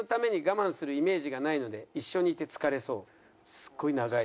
すごい長い。